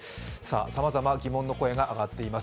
さまざま疑問の声が上がっています。